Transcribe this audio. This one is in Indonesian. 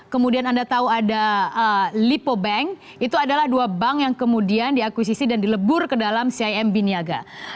kemudian anda tahu ada lipo bank itu adalah dua bank yang kemudian diakuisisi dan dilebur ke dalam cimb niaga